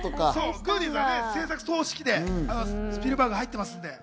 『グーニーズ』は製作総指揮でスピルバーグが入ってます。